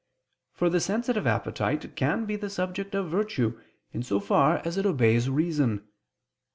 For the sensitive appetite can be the subject of virtue, in so far as it obeys reason.